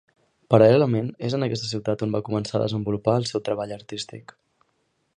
Paral·lelament, és en aquesta ciutat on va començar a desenvolupar el seu treball artístic.